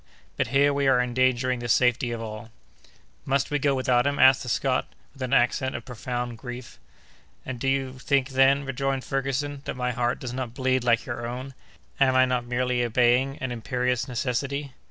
But here we are endangering the safety of all." "Must we go without him?" asked the Scot, with an accent of profound grief. "And do you think, then," rejoined Ferguson, "that my heart does not bleed like your own? Am I not merely obeying an imperious necessity?"